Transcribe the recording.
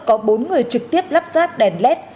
có bốn người trực tiếp lắp ráp đèn led